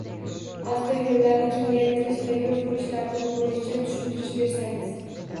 Avtoyo‘llarni kengaytirish va yo‘l qurish tartibi bo‘yicha tushuntirish bersangiz?